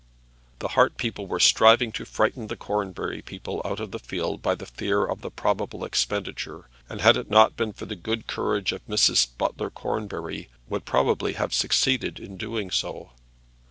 The Hart people were striving to frighten the Cornbury people out of the field by the fear of the probable expenditure; and had it not been for the good courage of Mrs. Butler Cornbury would probably have succeeded in doing so.